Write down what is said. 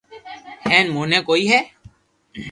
ھين موني ڪوئي ھيي